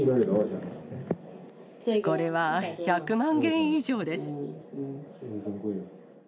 これは１００万元以上です。